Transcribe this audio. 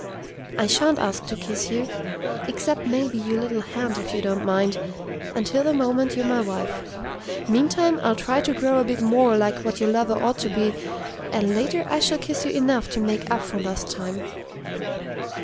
"I sha'n't ask to kiss you except maybe your little hand if you don't mind until the moment you're my wife. Meantime, I'll try to grow a bit more like what your lover ought to be; and later I shall kiss you enough to make up for lost time."